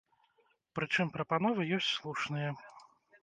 Прычым прапановы ёсць слушныя.